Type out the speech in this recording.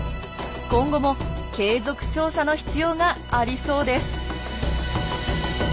今後も継続調査の必要がありそうです。